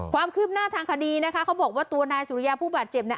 ความคืบหน้าทางคดีนะคะเขาบอกว่าตัวนายสุริยาผู้บาดเจ็บเนี่ย